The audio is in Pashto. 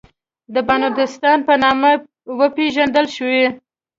د بانټوستان په نامه وپېژندل شوې.